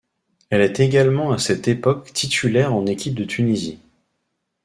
Elle est également à cette époque titulaire en équipe de Tunisie.